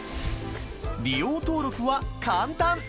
利用登録は簡単。